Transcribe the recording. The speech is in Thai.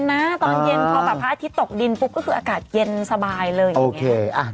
ตอนเย็นพอแบบพระอาทิตย์ตกดินปุ๊บก็คืออากาศเย็นสบายเลยอย่างนี้